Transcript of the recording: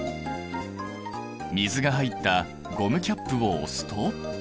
水が入ったゴムキャップを押すと。